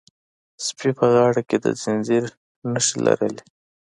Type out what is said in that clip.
سپي په غاړه کې د زنځیر نښې لرلې.